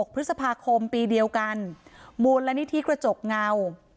พฤษภาคมปีเดียวกันมูลนิธิกระจกเงา